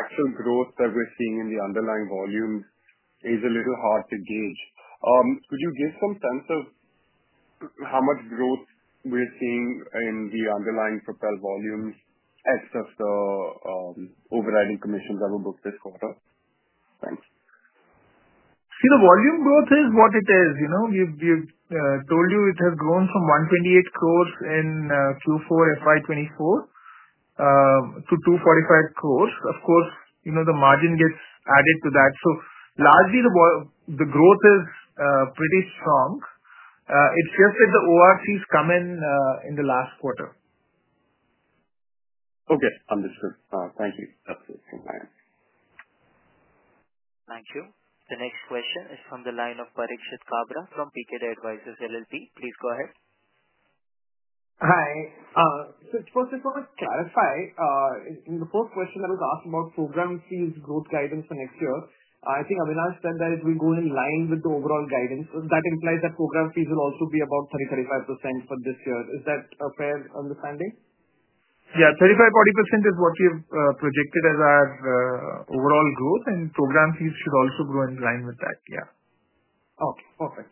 actual growth that we're seeing in the underlying volumes is a little hard to gauge. Could you give some sense of how much growth we're seeing in the underlying Propel volumes as of the overriding commissions that were booked this quarter? Thanks. See, the volume growth is what it is. We've told you it has grown from 128 crore in Q4 FY2 024 to 245 crore. Of course, the margin gets added to that. Largely, the growth is pretty strong. It's just that the ORCs come in in the last quarter. Okay. Understood. Thank you. That's it from my end. Thank you. The next question is from the line of f Parikshit Kabra from Pkeda Advisors LLP. Please go ahead. Hi. First of all, I'll clarify. The first question that was asked about program fees growth guidance for next year, I think Avinash said that it will go in line with the overall guidance. That implies that program fees will also be about 30-35% for this year. Is that a fair understanding? Yeah. 35%-40% is what we have projected as our overall growth, and program fees should also grow in line with that. Yeah. Okay. Perfect.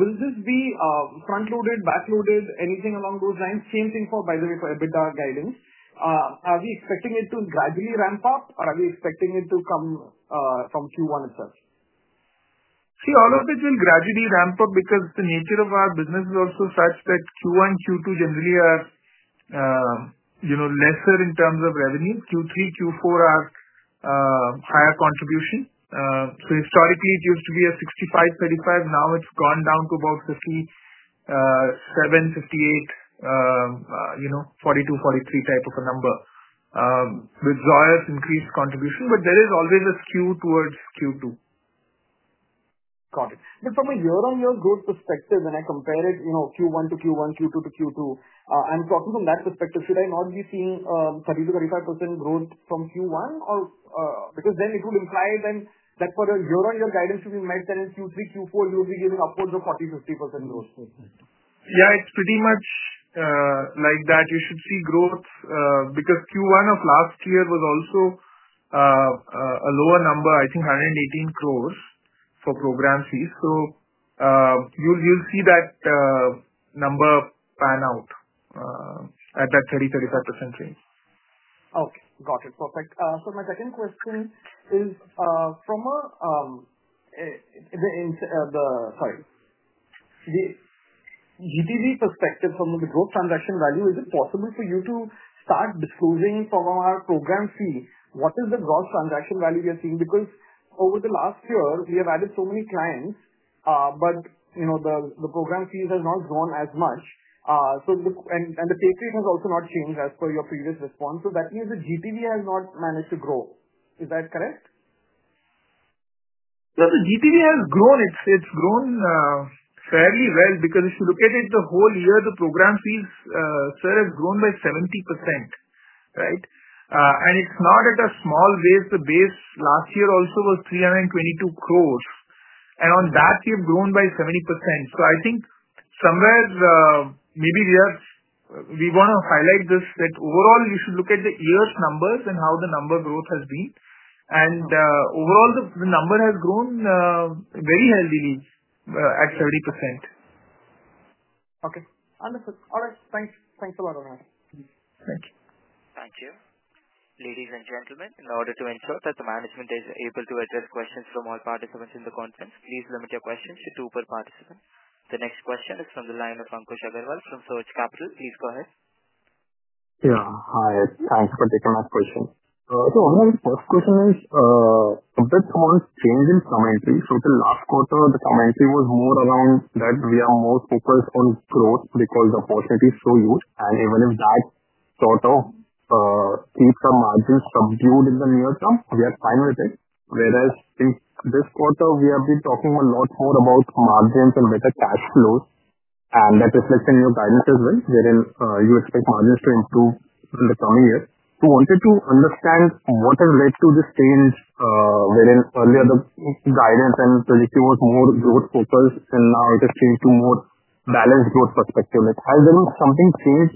Will this be front-loaded, back-loaded, anything along those lines? Same thing, by the way, for EBITDA guidance. Are we expecting it to gradually ramp up, or are we expecting it to come from Q1 itself? See, all of this will gradually ramp up because the nature of our business is also such that Q1 and Q2 generally are lesser in terms of revenue. Q3, Q4 are higher contribution. Historically, it used to be a 65 crore-35 crore. Now it has gone down to about 57 crore-58 crore, 42 crore-43 crore type of a number with Zoyer's increased contribution. There is always a skew towards Q2. Got it. But from a year-on-year growth perspective, when I compare it, Q1 to Q1, Q2 to Q2, I'm talking from that perspective. Should I not be seeing 30%-35% growth from Q1? Because then it would imply then that for a year-on-year guidance to be met, then in Q3, Q4, you would be giving upwards of 40-50% growth. Yeah. It's pretty much like that. You should see growth because Q1 of last year was also a lower number, I think 118 crore for program fees. You will see that number pan out at that 30-35% range. Okay. Got it. Perfect. My second question is from a, sorry. The GTV perspective, from the gross transaction value, is it possible for you to start disclosing from our program fee what is the gross transaction value we are seeing? Over the last year, we have added so many clients, but the program fees have not grown as much. The pay trait has also not changed as per your previous response. That means the GTV has not managed to grow. Is that correct? The GTV has grown. It's grown fairly well because if you look at it the whole year, the program fees, sir, have grown by 70%, right? It's not at a small base. The base last year also was 322 crore. On that, we have grown by 70%. I think somewhere, maybe we want to highlight this that overall, you should look at the year's numbers and how the number growth has been. Overall, the number has grown very heavily at 70%. Okay. Understood. All right. Thanks. Thanks a lot, Avinash. Thank you. Thank you. Ladies and gentlemen, in order to ensure that the management is able to address questions from all participants in the conference, please limit your questions to two per participant. The next question is from the line of Ankush Agrawal from Surge Capital. Please go ahead. Yeah. Hi. Thanks for taking my question. The first question is, compared to our changing commentary, the last quarter, the commentary was more around that we are more focused on growth because the opportunity is so huge. Even if that sort of keeps our margins subdued in the near term, we are fine with it. Whereas in this quarter, we have been talking a lot more about margins and better cash flows. That reflects in your guidance as well, wherein you expect margins to improve in the coming years. We wanted to understand what has led to this change wherein earlier the guidance and strategy was more growth-focused, and now it has changed to more balanced growth perspective. Has there been something changed?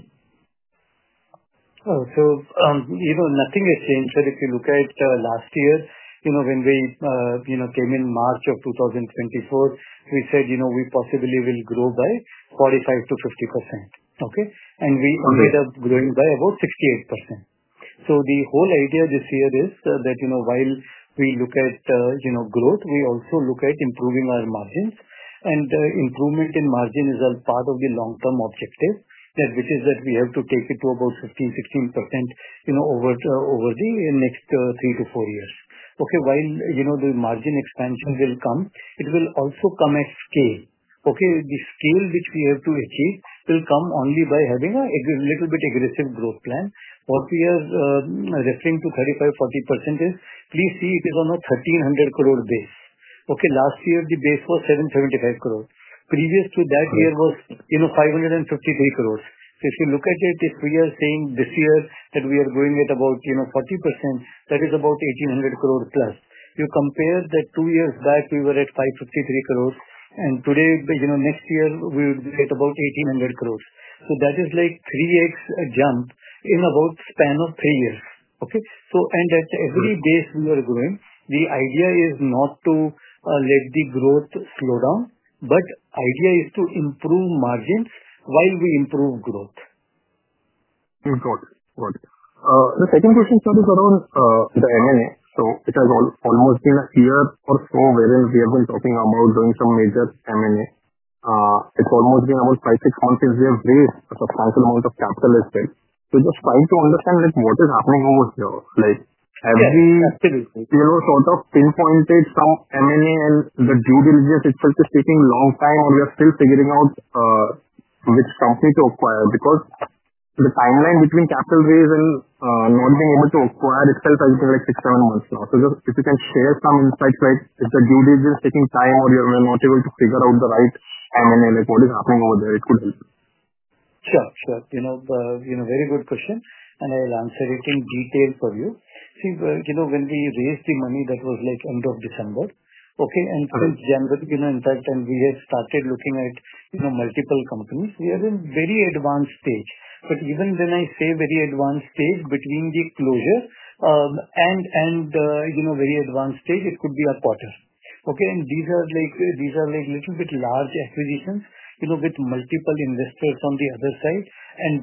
Nothing has changed, sir. If you look at last year, when we came in March of 2024, we said we possibly will grow by 45%-50%, okay? We ended up growing by about 68%. The whole idea this year is that while we look at growth, we also look at improving our margins. Improvement in margin is a part of the long-term objective, which is that we have to take it to about 15%-16% over the next three to four years. While the margin expansion will come, it will also come at scale. The scale which we have to achieve will come only by having a little bit aggressive growth plan. What we are referring to, 35%-40%, is, please see, it is on a 1,300 crore base. Last year, the base was 775 crore. Previous to that year was 553 crore. If you look at it, if we are saying this year that we are growing at about 40%, that is about 1,800 crore plus. You compare that two years back, we were at 553 crore. Today, next year, we would be at about 1,800 crore. That is like 3x jump in about the span of three years, okay? At every base we are growing, the idea is not to let the growth slow down, but the idea is to improve margins while we improve growth. Got it. Got it. The second question, sir, is around the M&A. It has almost been a year or so wherein we have been talking about doing some major M&A. It's almost been about five, six months since we have raised a substantial amount of capital as well. Just trying to understand what is happening over here. Have we sort of pinpointed some M&A and the due diligence itself is taking a long time, or are we still figuring out which company to acquire because the timeline between capital raise and not being able to acquire itself has been like six, seven months now. If you can share some insights, like if the due diligence is taking time or you're not able to figure out the right M&A, what is happening over there, it would help. Sure. Sure. Very good question. I will answer it in detail for you. See, when we raised the money, that was like end of December, okay? Since January, in fact, we have started looking at multiple companies. We are in a very advanced stage. Even when I say very advanced stage, between the closure and very advanced stage, it could be a quarter, okay? These are like little bit large acquisitions with multiple investors on the other side.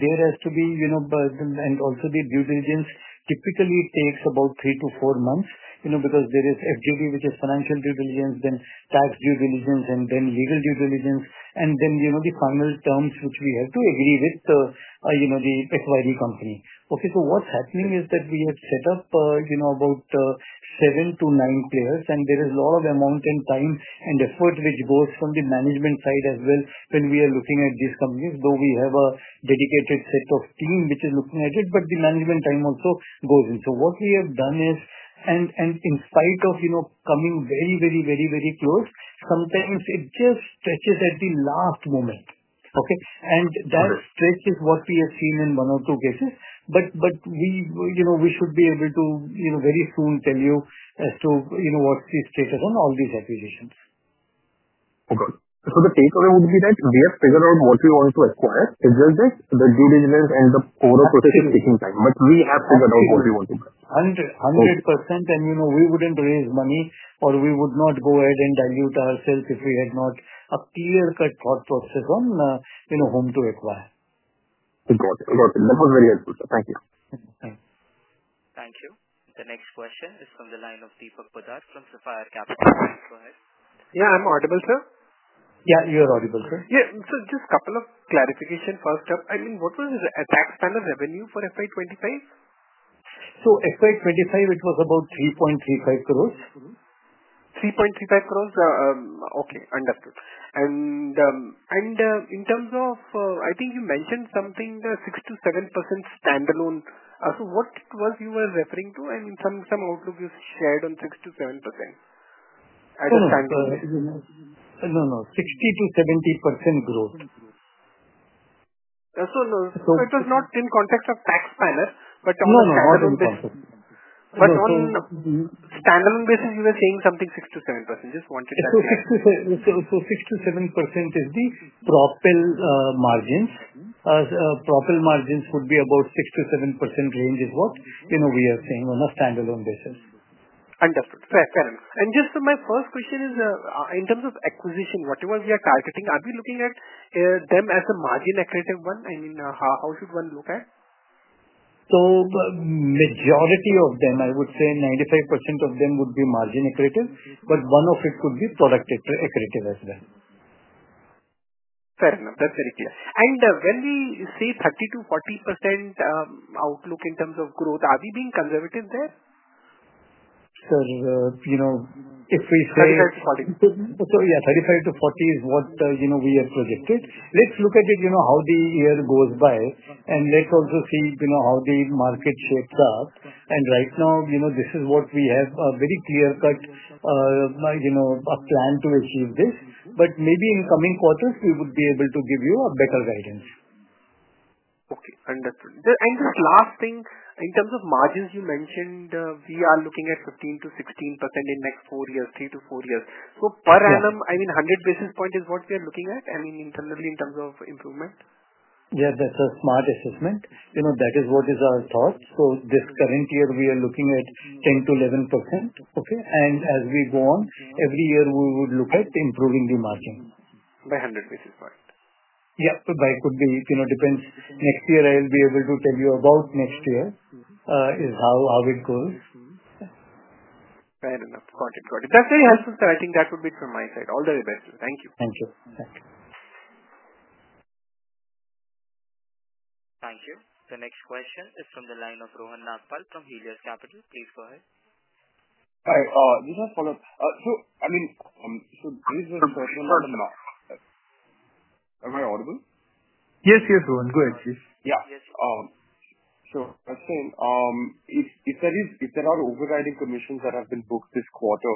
There has to be, and also, the due diligence typically takes about three to four months because there is FGD, which is financial due diligence, then tax due diligence, and then legal due diligence, and then the final terms which we have to agree with the acquiring company. Okay. What is happening is that we have set up about seven to nine players, and there is a lot of amount and time and effort which goes from the management side as well when we are looking at these companies, though we have a dedicated set of team which is looking at it, but the management time also goes in. What we have done is, in spite of coming very, very, very, very close, sometimes it just stretches at the last moment, okay? That stretch is what we have seen in one or two cases. We should be able to very soon tell you as to what is the status on all these acquisitions. Okay. The takeaway would be that we have figured out what we want to acquire. It's just that the due diligence and the overall process is taking time. We have figured out what we want to acquire. 100%. We would not raise money, or we would not go ahead and dilute ourselves if we had not a clear-cut thought process on whom to acquire. Got it. Got it. That was very helpful, sir. Thank you. Thank you. Thank you. The next question is from the line of Deepak Poddar from Sapphire Capital. Please go ahead. Yeah. Am I audible, sir? Yeah. You're audible, sir. Yeah. So just a couple of clarifications first up. I mean, what was the tax plan of revenue for FY 2025? FY 2025, it was about INR 3.35 crore. INR 3.35 crore? Okay. Understood. In terms of, I think you mentioned something, the 6%-7% standalone. What was you were referring to? I mean, some outlook you shared on 6%-7% as a standalone. No, no. 60%-70% growth. It was not in context TaxSpanner, but on a standalone basis. No, not in context. On a standalone basis, you were saying something 6%-7%. Just wanted to clarify. Six to seven percent is the Propel margins. Propel margins would be about 6%-7% range is what we are saying on a standalone basis. Understood. Fair. Fair enough. Just my first question is, in terms of acquisition, whatever we are targeting, are we looking at them as a margin-accretive one? I mean, how should one look at? Majority of them, I would say 95% of them would be margin-accretive, but one of it could be product-accretive as well. Fair enough. That's very clear. When we see 30%-40% outlook in terms of growth, are we being conservative there? Yeah, 35%-40% is what we have projected. Let's look at it how the year goes by, and let's also see how the market shapes up. Right now, this is what we have, a very clear-cut plan to achieve this. Maybe in coming quarters, we would be able to give you a better guidance. Okay. Understood. And just last thing, in terms of margins you mentioned, we are looking at 15%-16% in next three to four years. So per annum, I mean, 100 basis points is what we are looking at? I mean, internally in terms of improvement? Yeah. That's a smart assessment. That is what is our thought. This current year, we are looking at 10-11%, okay? As we go on, every year, we would look at improving the margin. By 100 basis points. Yeah. It could be. It depends. Next year, I'll be able to tell you about next year is how it goes. Fair enough. Got it. Got it. That's very helpful, sir. I think that would be it from my side. All the very best. Thank you. Thank you. Thank you. Thank you. The next question is from the line of Rohan Mandora from Helios Capital. Please go ahead. Hi. Just a follow-up. I mean, this is a question that I'm not—am I audible? Yes, yes, Rohan. Go ahead, please. Yeah. So I was saying, if there are overriding commissions that have been booked this quarter,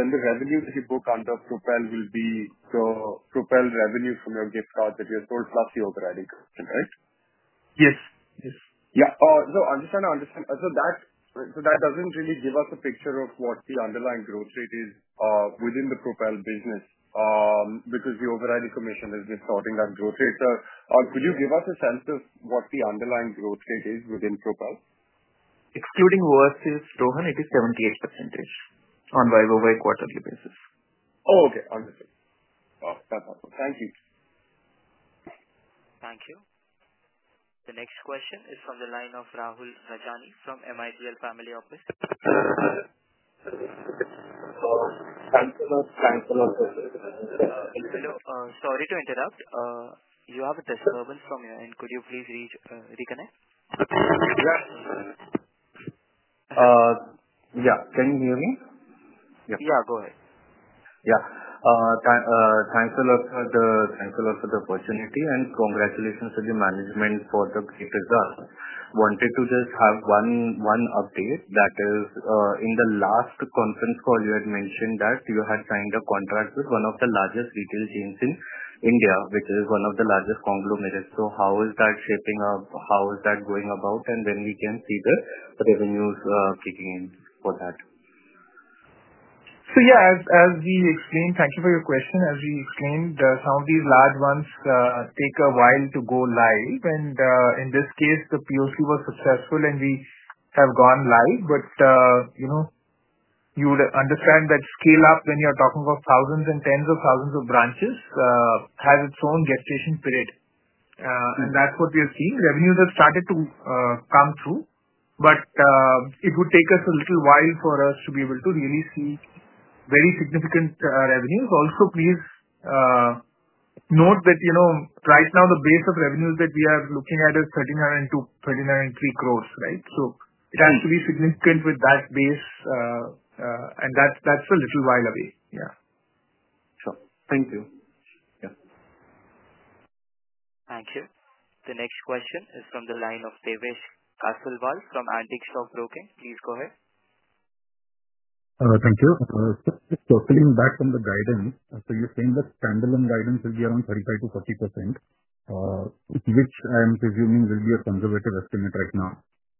then the revenue that you book under Propel will be the Propel revenue from your gift card that you have sold plus the overriding commission, right? Yes. Yes. Yeah. I'm just trying to understand. That doesn't really give us a picture of what the underlying growth rate is within the Propel business because the overriding commission has been sorting that growth rate. Could you give us a sense of what the underlying growth rate is within Propel? Excluding worth is Rohan, it is 78% on quarter-on-quarter basis. Oh, okay. Understood. That's helpful. Thank you. Thank you. The next question is from the line of Rahul Rajani from MIPL Family Office. Hello. Sorry to interrupt. You have a disturbance from your end. Could you please reconnect? Yeah. Can you hear me? Yeah. Go ahead. Yeah. Thanks a lot for the opportunity and congratulations to the management for the great result. Wanted to just have one update that is in the last conference call, you had mentioned that you had signed a contract with one of the largest retail chains in India, which is one of the largest conglomerates. How is that shaping up? How is that going about? When can we see the revenues kicking in for that? Yeah, as we explained, thank you for your question. As we explained, some of these large ones take a while to go live. In this case, the POC was successful, and we have gone live. You would understand that scale-up when you are talking about thousands and tens of thousands of branches has its own gestation period. That is what we are seeing. Revenues have started to come through, but it would take us a little while for us to be able to really see very significant revenues. Also, please note that right now, the base of revenues that we are looking at is 1,300-1,303 crore, right? It has to be significant with that base, and that's a little while away. Yeah. Sure. Thank you. Yeah. Thank you. The next question is from the line of Devesh Kasliwal from Antique Stock Broking. Please go ahead. Thank you. Filling back on the guidance, you are saying that standalone guidance will be around 35%-40%, which I am presuming will be a conservative estimate right now.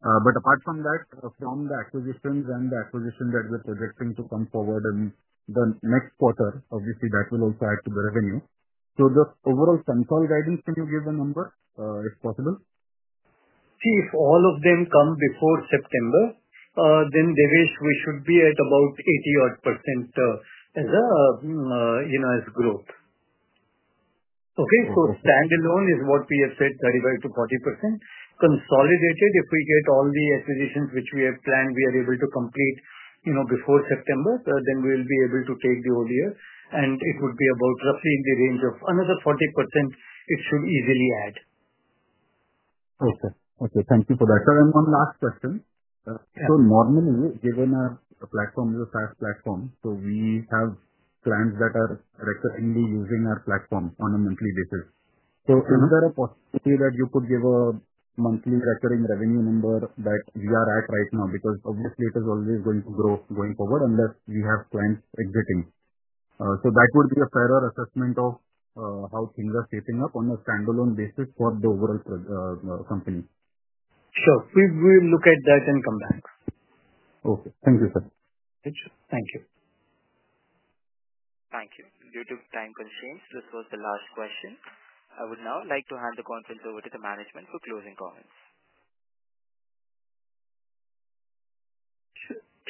Apart from that, from the acquisitions and the acquisition that we are projecting to come forward in the next quarter, obviously, that will also add to the revenue. The overall consult guidance, can you give a number if possible? See, if all of them come before September, then Devesh, we should be at about 80-odd % as growth. Okay. Standalone is what we have said, 35-40%. Consolidated, if we get all the acquisitions which we have planned, we are able to complete before September, then we will be able to take the whole year. It would be about roughly in the range of another 40%. It should easily add. Okay. Okay. Thank you for that. Sir, one last question. Normally, given our platform is a SaaS platform, we have clients that are recurringly using our platform on a monthly basis. Is there a possibility that you could give a monthly recurring revenue number that we are at right now? Obviously, it is always going to grow going forward unless we have clients exiting. That would be a fairer assessment of how things are shaping up on a standalone basis for the overall company. Sure. We will look at that and come back. Okay. Thank you, sir. Thank you. Thank you. Due to time constraints, this was the last question. I would now like to hand the conference over to the management for closing comments.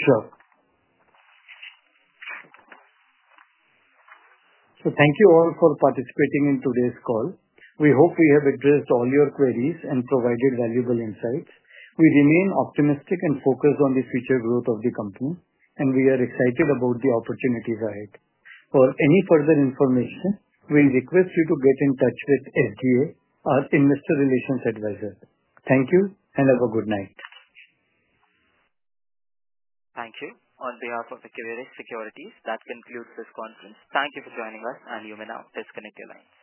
Sure. So thank you all for participating in today's call. We hope we have addressed all your queries and provided valuable insights. We remain optimistic and focused on the future growth of the company, and we are excited about the opportunities ahead. For any further information, we request you to get in touch with SGA, our investor relations advisor. Thank you, and have a good night. Thank you. On behalf of Equirus Securities, that concludes this conference. Thank you for joining us, and you may now disconnect your lines.